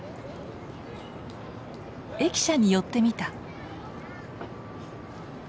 駅舎に寄ってみた。